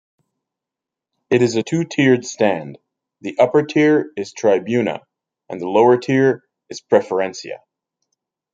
It is a two-tiered stand; The upper-tier is "Tribuna" and lower-tier is "Preferencia".